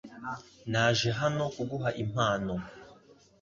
Naje hano kuguha impano .